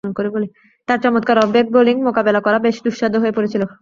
তার চমৎকার off-break bowling মোকাবেলা করা বেশ দুঃসাধ্য হয়ে পড়েছিল।